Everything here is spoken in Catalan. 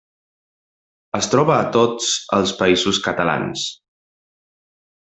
Es troba a tots els Països Catalans.